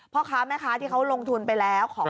พ่อค้าแม่ค้าที่เขาลงทุนไปแล้ว